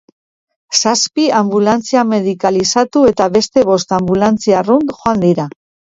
Zazpi anbulantzia medikalizatu eta beste bost anbulantzia arrunt joan dira.